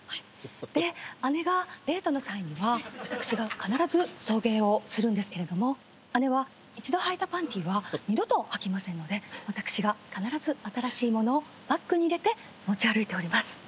で姉がデートの際には私が必ず送迎をするんですけれども姉は一度はいたパンティーは二度とはきませんので私が必ず新しい物をバッグに入れて持ち歩いております。